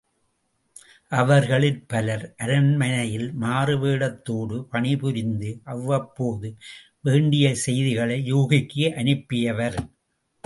அவர்களிற் பலர் அரண்மனையில் மாறுவேடத்தோடு பணிபுரிந்து அவ்வப்போது வேண்டிய செய்திகளை யூகிக்கு அனுப்பியவர்.